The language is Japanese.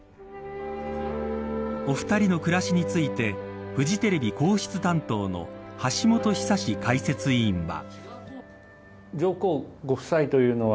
お二人の暮らしについてフジテレビ皇室担当の橋本寿史解説委員は。